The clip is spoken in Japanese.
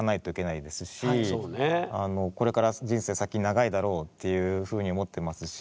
これから人生先長いだろうっていうふうに思ってますし。